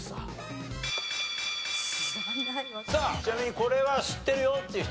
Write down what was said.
ちなみにこれは知ってるよっていう人？